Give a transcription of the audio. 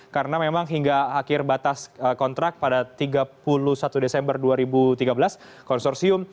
karena memang hingga akhir batas kontrak pada tiga puluh satu desember dua ribu tiga belas